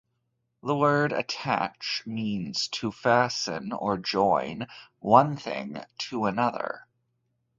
The word "attach" means to fasten or join one thing to another.